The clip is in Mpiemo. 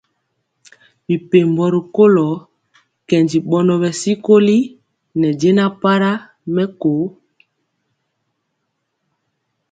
Mɛpembo rikolo kɛndi bɔnɔ bɛ sikoli ne jɛna para mɛmɔ mɔ ké.